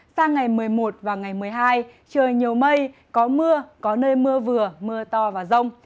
sang ngày một mươi một và ngày một mươi hai trời nhiều mây có mưa có nơi mưa vừa mưa to và rông